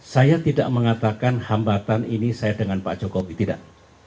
saya tidak mengatakan hambatan ini saya dengan pak jokowi tidak